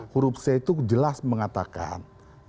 huruf c itu jelas mengatakan